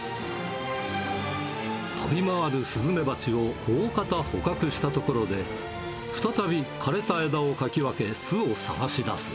飛び回るスズメバチを大方捕獲したところで、再び枯れた枝をかき分け、巣を探し出す。